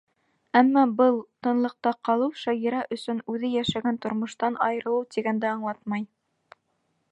Әммә был тынлыҡта ҡалыу шағирә өсөн үҙе йәшәгән тормоштан айырылыу тигәнде аңлатмай.